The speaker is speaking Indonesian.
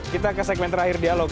kita ke segmen terakhir dialog